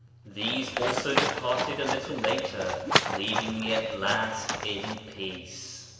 These also departed a little later, leaving me at last in peace.